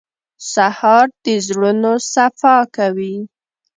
سهار د زړونو صفا کوي.